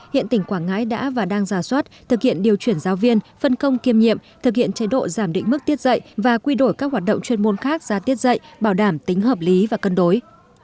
hiện tỉnh quảng ngãi đã và đang giả soát thực hiện điều chuyển giáo viên phân công kiêm nhiệm thực hiện chế độ giảm định mức tiết dạy và quy đổi các hoạt động chuyên môn khác ra tiết dạy bảo đảm tính hợp lý và cân đối